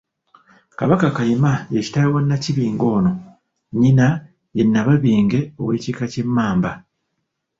KABAKA Kayima ye kitaawe wa Nnakibinge ono, nnyina ye Nnababinge ow'ekika ky'Emmamba.